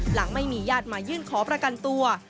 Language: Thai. หลังไม่มีญาติมายื่นขอประกันตัว